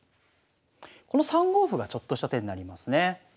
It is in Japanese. この３五歩がちょっとした手になりますね。